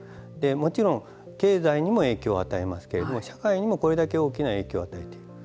もちろん経済にも影響を与えますけども社会にもこれだけ大きな影響を与えている。